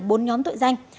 ở bốn nhóm tội danh